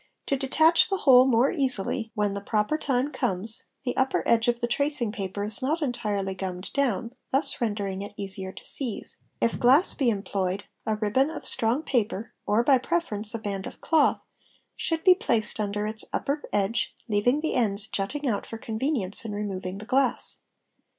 To detach the whole more easily when the proper time ~ comes, the upper edge of the tracing paper is not entirely gummed down, thus rendering it easier to seize ; if glass be employed, a ribbon of strong — paper or, by preference, a band of cloth, should be placed under its upper — edge, leaving the ends jutting out for convenience in removing the glass.